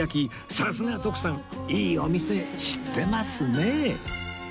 さすが徳さんいいお店知ってますね